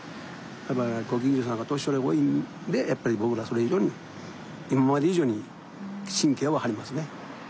やっぱご近所さんが年寄りが多いんでやっぱり僕らそれ以上に今まで以上に神経は張りますね。